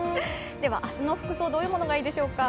では、明日の服装、どういうものがいいでしょうか。